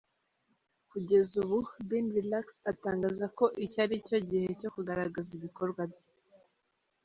Kugeza ubu, Bin relax atangaza ko iki aricyo gihe cyo kugaragaza ibikorwa bye.